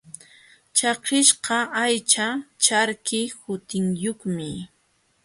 Chakiśhqa aycha charki hutiyuqmi.